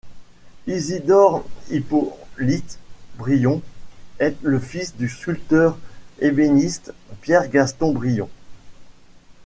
Isidore Hippolyte Brion est le fils du sculpteur-ébéniste Pierre-Gaston Brion.